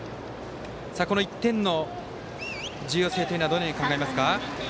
この１点の重要性はどう考えますか？